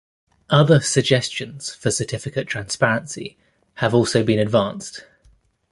Other suggestions for certificate transparency have also been advanced.